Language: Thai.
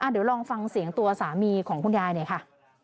เดี๋ยวลองฟังเสียงตัวสามีของคุณยายหน่อยค่ะ